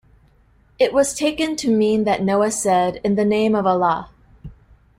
'"; this was taken to mean that Noah said, "In the Name of Allah!